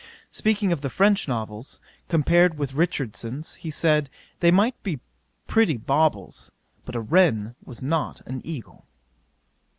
'Speaking of the French novels, compared with Richardson's, he said, they might be pretty baubles, but a wren was not an eagle.